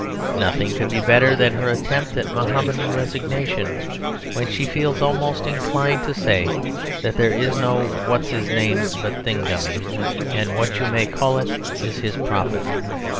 Nothing could be better than her attempt at Mahomedan resignation when she feels almost inclined to say "that there is no What's his name but Thingummy, and What you may call it is his prophet!"